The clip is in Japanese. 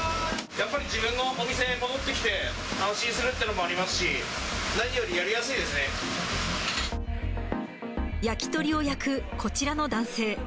やっぱり自分のお店に戻ってきて、安心するっていうのもありますし、焼き鳥を焼くこちらの男性。